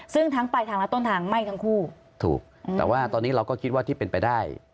ซึ่งทั้งปลายทางและต้นทางไหม้ทั้งคู่ถูกแต่ว่าตอนนี้เราก็คิดว่าที่เป็นไปได้